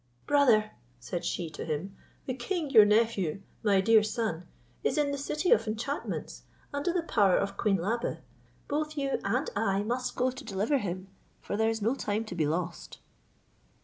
"Brother," said she to him, "the king your nephew, my dear son, is in the City of Enchantments, under the power of Queen Labe. Both you and I must go to deliver him, for there is no time to be lost."